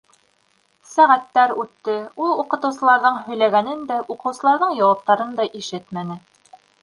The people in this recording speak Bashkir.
Сәғәттәр үтте, ул уҡытыусыларҙың һөйләгәнен дә, уҡыусыларҙың яуаптарын да ишетмәне.